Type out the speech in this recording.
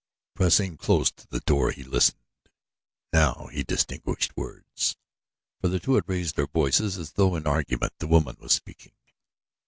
Pressing close to the door he listened. Now he distinguished words, for the two had raised their voices as though in argument. The woman was speaking.